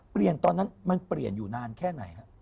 เปลี่ยนตอนนั้นมันเปลี่ยนอยู่นานแค่ไหนครับ